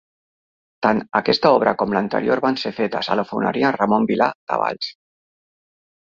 Tant aquesta obra com l'anterior van ser fetes a la Foneria Ramon Vilà, de Valls.